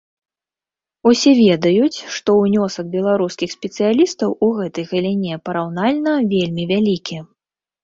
Усе ведаюць, што ўнёсак беларускіх спецыялістаў у гэтай галіне параўнальна вельмі вялікі.